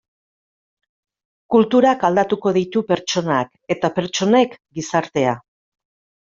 Kulturak aldatuko ditu pertsonak eta pertsonek gizartea.